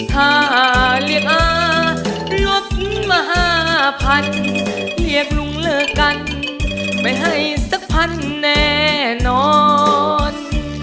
ถ้าเรียกอารบมหาพันเรียกลุงเลอร์กันไม่ให้สักพันแน่นอน